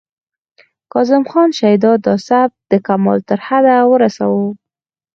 کاظم خان شیدا دا سبک د کمال تر حده ورساوه